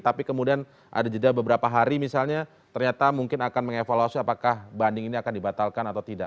tapi kemudian ada jeda beberapa hari misalnya ternyata mungkin akan mengevaluasi apakah banding ini akan dibatalkan atau tidak